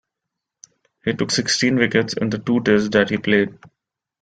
He took sixteen wickets in the two Tests that he played.